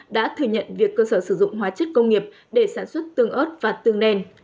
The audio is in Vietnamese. đã thừa nhận việc cơ sở sử dụng hóa chất công nghiệp để sản xuất tương ớt và tương nền